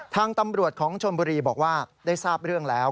ทางตำรวจของชนบุรีบอกว่าได้ทราบเรื่องแล้ว